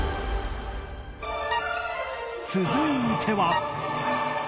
続いては